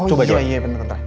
oh iya iya bentar bentar